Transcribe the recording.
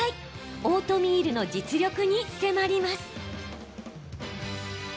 オートミールの実力に迫ります。